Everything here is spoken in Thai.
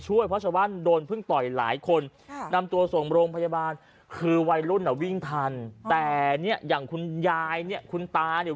วัยรุ่นอ่ะวิ่งทันแต่เนี้ยอย่างคุณยายเนี้ยคุณตาเนี้ย